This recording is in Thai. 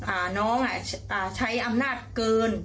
อะน้องอ่ะใช้อำนาจเกิน